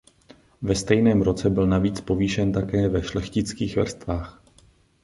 Ve stejném roce byl navíc povýšen také ve šlechtických vrstvách.